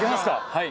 はい。